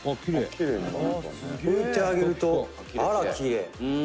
「拭いてあげるとあら、きれい」